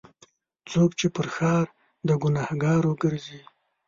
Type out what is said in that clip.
څوک چې پر ښار د ګناهکارو ګرځي.